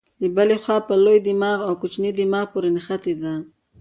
له بلې خوا په لوی دماغ او کوچني دماغ پورې نښتې ده.